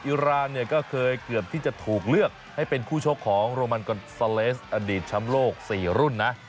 อิรานเนี่ยก็เคยเกือบที่จะถูกเลือกให้เป็นคู่ชกของโรมันกอนซาเลสอดีตช้ำโลก๔รุ่นนะ